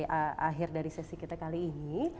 ini adalah pengajaran terakhir dari sesi kita kali ini